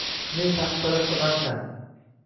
Ne taxtaparast odamsan.